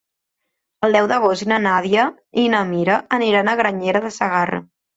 El deu d'agost na Nàdia i na Mira aniran a Granyena de Segarra.